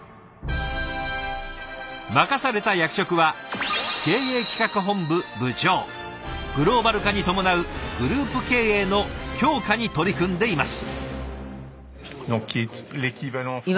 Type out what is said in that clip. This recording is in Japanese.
任された役職はグローバル化に伴うグループ経営の強化に取り組んでいます。